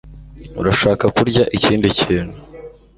Urashaka kurya ikindi kintu?